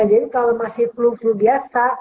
ya jadi kalau masih flu flu biasa